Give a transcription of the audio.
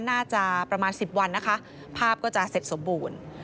น่าจะประมาณ๑๐วันนะคะภาพก็จะเสร็จสมบูรณ์